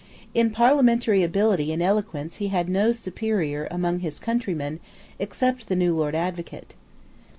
In parliamentary ability and eloquence he had no superior among his countrymen, except the new Lord Advocate.